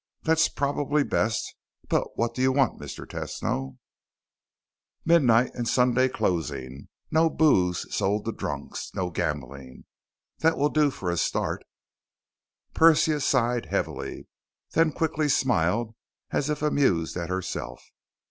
"That's probably best. But what do you want, Mr. Tesno?" "Midnight and Sunday closing. No booze sold to drunks. No gambling. That will do for a start." Persia sighed heavily, then quickly smiled as if amused at herself.